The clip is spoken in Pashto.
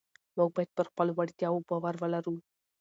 موږ باید پر خپلو وړتیاوو باور ولرو